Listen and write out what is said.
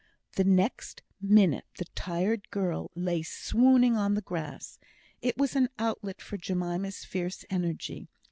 The next minute the tired girl lay swooning on the grass. It was an outlet for Jemima's fierce energy.